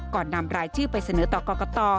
ก่อนนำรายชื่อไปเสนอต่อกรกต่อ